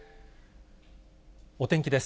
お天気です。